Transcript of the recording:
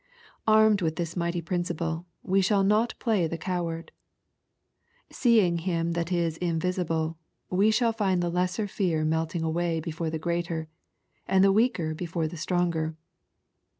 Armed with this mighty principle, we shall not play the coward, feeing Him that is invisible, we shall find the lesser fear pje|tipg away before the greater, and the weaker before the stronger.